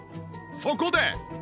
そこで